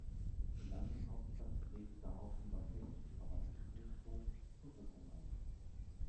Die Landeshauptstadt legte daraufhin beim Hessischen Verwaltungsgerichtshof Berufung ein.